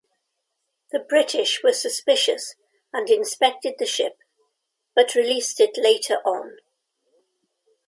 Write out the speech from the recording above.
The British were suspicious and inspected the ship but released it later on.